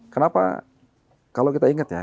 kenapa kalau kita ingat ya